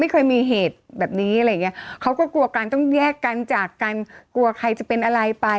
เคยมีเหตุแบบนี้อะไรอย่างเงี้ยเขาก็กลัวกันต้องแยกกันจากกันกลัวใครจะเป็นอะไรไป